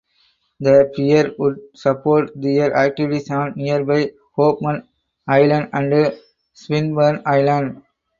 The pier would support their activities on nearby Hoffman Island and Swinburne Island.